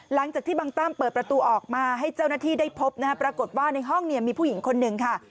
หลังจากที่บางตั้มเปิดประตูออกมาให้เจ้าหน้าที่ได้พบนะฮะปรากฏว่าในห้องเนี่ยมีผู้หญิงคนหนึ่งค่ะ